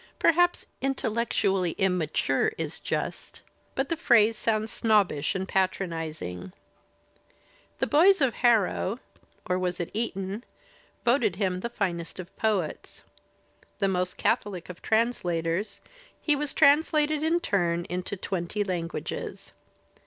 Perhaps "intellectually immature" is just, but the phrase sounds snobbish and patronizing. The boys of Harrow — or was it Eton? — voted him the finest of poets. The most catholic of translators, he was translated in turn into twenty languages.